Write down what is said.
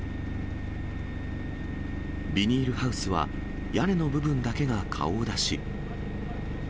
ビニールハウスは屋根の部分だけが顔を出し。